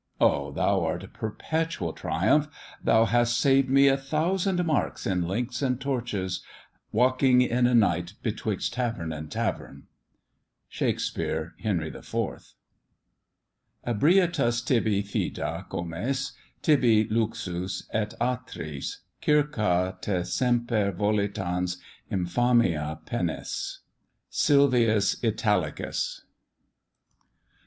Oh! thou'rt a perpetual triumph, thou hast saved me a thousand marks in links and torches, walking in a night betwixt tavern and tavern. SHAKESPEARE, Henry IV. Ebrietas tibi fida comes, tibi Luxus, et atris Circa te semper volitans Infamia pennis. SILVIUS ITALICUS.